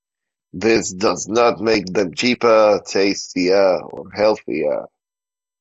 This does not make them cheaper, tastier or healthier.